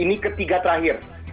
ini ketiga terakhir